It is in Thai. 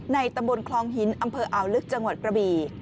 ตำบลคลองหินอำเภออ่าวลึกจังหวัดกระบี่